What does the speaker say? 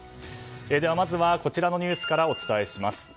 まずはこちらのニュースからお伝えします。